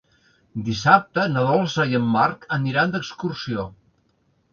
Dissabte na Dolça i en Marc aniran d'excursió.